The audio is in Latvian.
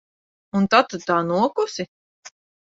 Un tad tu tā nokusi?